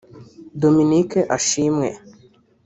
Dominic Ashimwe